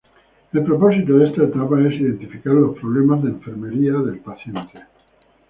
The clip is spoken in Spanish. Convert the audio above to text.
El propósito de esta etapa es identificar los problemas de enfermería del paciente.